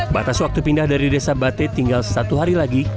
batas waktu pindah dari desa bate tinggal satu hari lagi